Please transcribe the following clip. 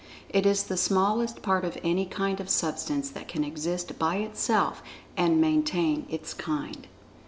It is the smallest part of any kind of Substance that can exist by itself, and maintain its "kind."